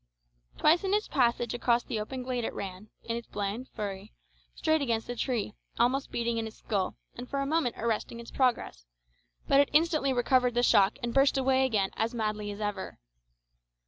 Twice in its passage across the open glade it ran, in its blind fury, straight against a tree, almost beating in its skull, and for a moment arresting its progress; but it instantly recovered the shock and burst away again as madly as ever.